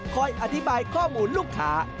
คอยอธิบายข้อมูลลูกค้า